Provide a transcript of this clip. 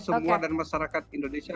semua dan masyarakat indonesia